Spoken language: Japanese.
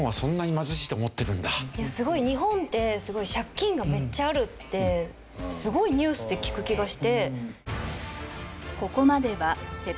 日本ってすごい借金がめっちゃあるってすごいニュースで聞く気がして。